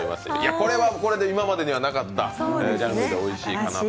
これはこれで今まではなかったジャンルでおいしいかなと。